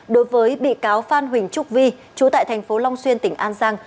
đối với bị cáo phan huỳnh trúc vi chú tại thành phố long xuyên tỉnh an giang